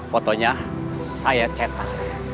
fotonya saya cetak